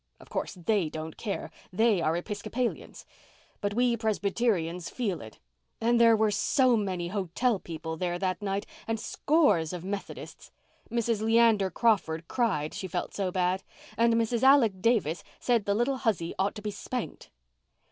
Of course they don't care—they are Episcopalians. But we Presbyterians feel it. And there were so many hotel people there that night and scores of Methodists. Mrs. Leander Crawford cried, she felt so bad. And Mrs. Alec Davis said the little hussy ought to be spanked."